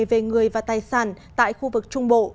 về người và tài sản tại khu vực trung bộ